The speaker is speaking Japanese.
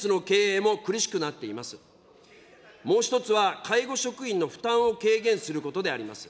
もう１つは介護職員の負担を軽減することであります。